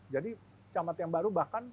jadi camat yang baru bahkan